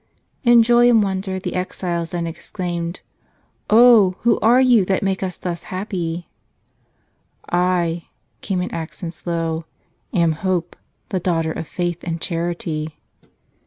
In joy and wonder the exiles then exclaimed : "Oh, who are you that make us thus happy?" "I," came in accents low, "am Hope, the daughter of Faith and Charity."